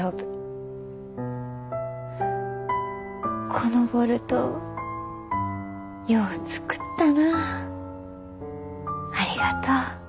「このボルトよう作ったなありがとう」。